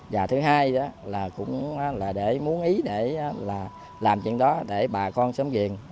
và thứ hai là cũng muốn ý để làm chuyện đó để bà con sớm ghiền